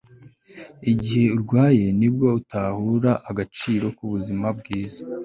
igihe urwaye ni bwo utahura agaciro k'ubuzima bwiza